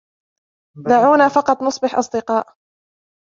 دعونا فقط نصبح أصدقاء.